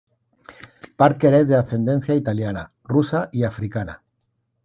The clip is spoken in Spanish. Parker es de ascendencia italiana, rusa y africana.